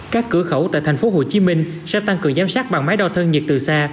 các cửa khẩu tại tp hcm sẽ tăng cường giám sát bằng máy đo thân nhiệt từ xa